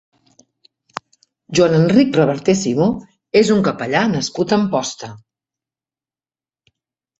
Joan Enric Reverté Simó és un capellà nascut a Amposta.